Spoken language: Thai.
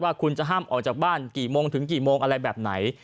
ออกจากบ้านกี่โมงถึงกี่โมงอะไรแบบไหน